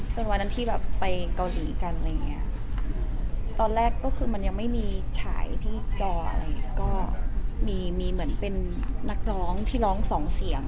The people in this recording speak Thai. ซึ่งวันนั้นที่ไปเกาหลีกันตอนแรกก็คือมันยังไม่มีฉายที่จออะไรก็มีเหมือนเป็นนักร้องที่ร้องสองเสียง